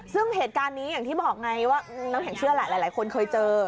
ซึ่งเหตุการณ์นี้อย่างที่บอกไงว่าน้ำแข็งเชื่อแหละหลายคนเคยเจอ